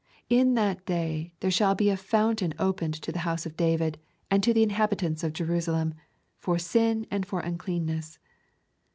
In that day there shall be a fountain opened to the house of David, and to the inhabitants of Jerusalem, for sin and for uncleanness